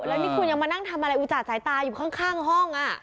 แล้วนี่คุณยังมานั่งทำอะไรอุจจาสายตาอยู่ข้างห้อง